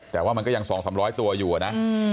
แต่ว่ามันก็ยังสองสามร้อยตัวอยู่อะนะ